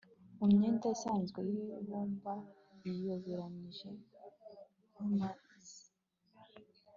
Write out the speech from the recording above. mu myenda isanzwe y'ibumba yiyoberanije nk'iminzani